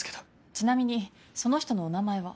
ちなみにその人のお名前は？